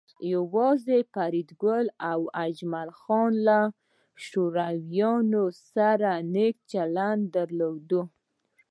یوازې فریدګل او جمال خان له شورویانو سره نیک چلند درلود